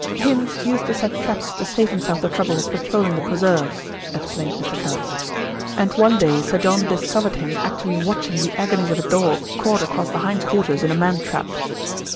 "Hinds used to set traps to save himself the trouble of patrolling the preserves," explained Mr. Callice, "and one day Sir John discovered him actually watching the agonies of a dog caught across the hind quarters in a man trap."